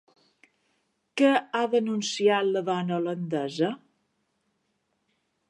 Què ha denunciat la dona holandesa?